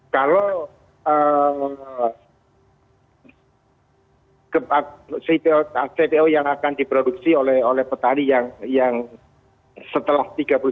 kalau cto yang akan diproduksi oleh petani yang setelah tiga puluh satu desember dua ribu dua puluh